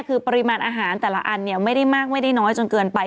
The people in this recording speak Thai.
คือปริมาณอาหารแต่ละอันเนี่ยไม่ได้มากไม่ได้น้อยจนเกินไป